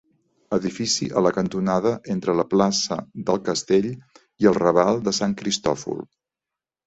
Edifici a la cantonada entre la plaça del castell i el raval de Sant Cristòfol.